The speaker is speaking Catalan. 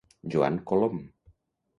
Joan Colom.